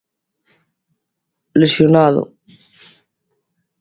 Lesionado.